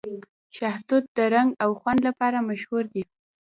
شاه توت د رنګ او خوند لپاره مشهور دی.